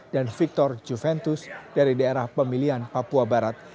dan victor juventus dari daerah pemilihan papua barat